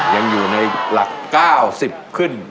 ยังอยู่ในหลัก๙๐ขึ้น